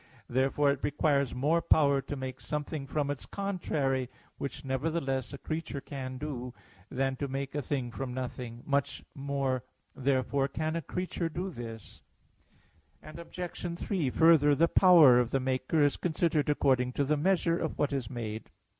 Therefore it requires more power to make (something) from its contrary, which nevertheless a creature can do, than to make a thing from nothing. Much more therefore can a creature do this. Obj. 3: Further, the power of the maker is considered according to the measure of what is made.